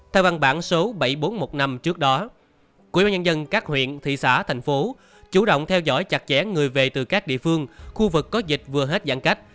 theo văn bản số bảy nghìn bốn trăm một mươi năm trước đó ubnd các huyện thị xã thành phố chủ động theo dõi chặt chẽ người về từ các địa phương khu vực có dịch vừa hết giãn cách